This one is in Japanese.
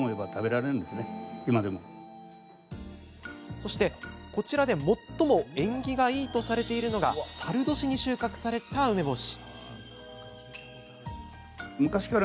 そして、こちらで最も縁起がいいとされているのがさる年に収穫された梅干し。